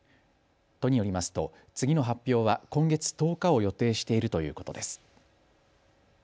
都によりますと次の発表は今月１０日を予定しているということです。